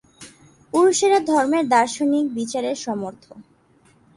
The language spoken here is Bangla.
পুরুষেরা ধর্মের দার্শনিক বিচারে সমর্থ।